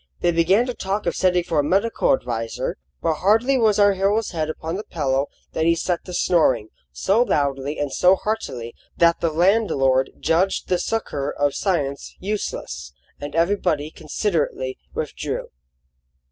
They began to talk of sending for a medical adviser; but hardly was our hero's head upon the pillow than he set to snoring, so loudly and so heartily that the landlord judged the succour of science useless, and everybody considerately withdrew.